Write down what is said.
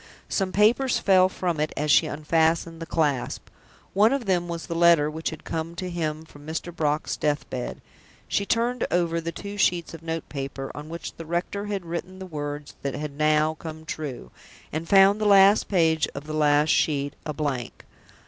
Some papers fell from it as she unfastened the clasp. One of them was the letter which had come to him from Mr. Brock's death bed. She turned over the two sheets of note paper on which the rector had written the words that had now come true, and found the last page of the last sheet a blank.